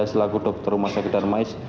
selaku dokter rumah sakit darmais